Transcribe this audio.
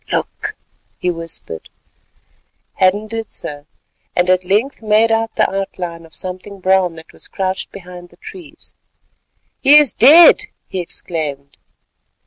"Look," he whispered. Hadden did so, and at length made out the outline of something brown that was crouched behind the trees. "He is dead," he exclaimed.